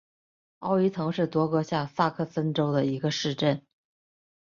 奥伊滕是德国下萨克森州的一个市镇。